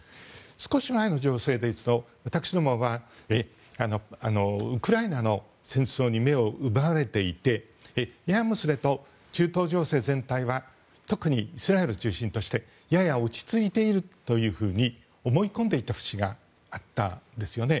少し前の情勢ですと私どもはウクライナの戦争に目を奪われていてややもすると中東情勢全体は特にイスラエル中心としてやや落ち着いていると思い込んでいた節があったんですよね。